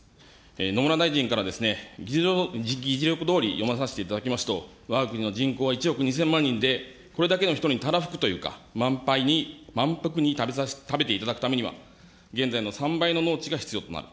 野村大臣から議事録どおり、読まさせていただきますと、わが国の人口は１億２０００万人で、これだけの人にたらふくというか、満杯に、満腹に食べていただくためには、現在の３倍の農地が必要となる。